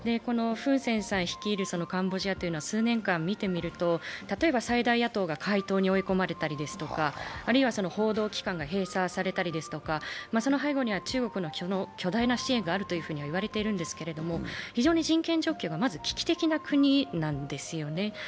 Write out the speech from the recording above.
フン・センさん率いるカンボジアは数年間見てみると例えば最大野党が解党に追い込まれたりとかあるいは報道機関が閉鎖されたりですとか、その背後には中国の巨大な支援があると言われているんですけれども、非常に人権状況が危機的な国なんですよね。